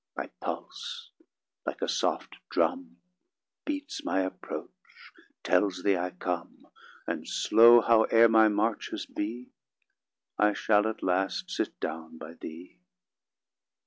My pulse, like a soft drum, Beats my approach, tells Thee I come; And slow howe'er my marches be, I shall at last sit down by Thee.